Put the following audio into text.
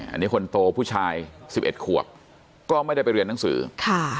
อันนี้คนโตผู้ชาย๑๑ขวบก็ไม่ได้ไปเรียนหนังสือค่ะ